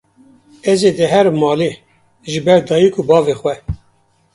Ez dê herim malê, jiber dayîk û bavê xwe